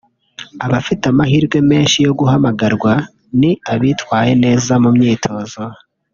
Abafite amahirwe menshi yo guhamagarwa ni abitwaye neza mu myitozo